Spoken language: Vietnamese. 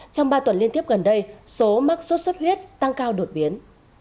trong ba tuần liên tiếp gần đây số mắc sốt xuất huyết tăng cao đột biến